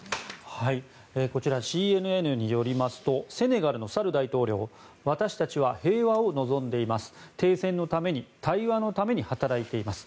こちら、ＣＮＮによりますとセネガルのサル大統領は私たちは平和を望んでいます停戦のために対話のために働いています